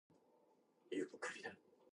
In some cases, they did!